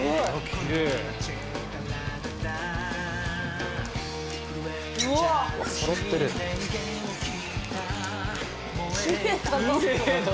きれいだな。